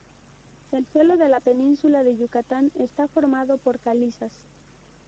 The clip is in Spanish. El suelo de la Península de Yucatán está formado por calizas.